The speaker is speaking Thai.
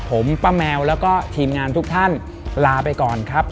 ผมป้าแมวแล้วก็ทีมงานทุกท่านลาไปก่อนครับ